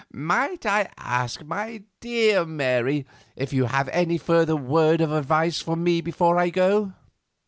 Might I ask, my dear Mary, if you have any further word of advice for me before I go?"